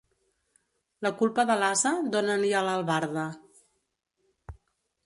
La culpa de l'ase dona-li a l'albarda.